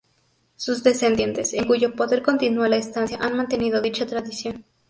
Sus descendientes, en cuyo poder continúa la estancia, han mantenido dicha tradición.